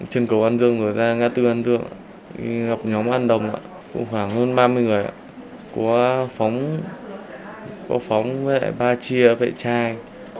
trên cầu an dương ngã tư an dương nhóm an đồng khoảng hơn ba mươi người có phóng vệ ba chia vệ chai